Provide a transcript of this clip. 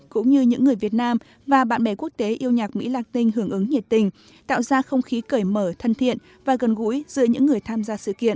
cũng như những người việt nam và bạn bè quốc tế yêu nhạc mỹ la tinh hưởng ứng nhiệt tình tạo ra không khí cởi mở thân thiện và gần gũi giữa những người tham gia sự kiện